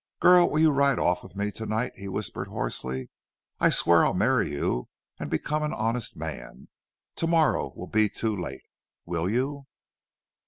"Girl, will you ride off with me to night?" he whispered, hoarsely. "I swear I'll marry you and become an honest man. To morrow will be too late!... Will you?"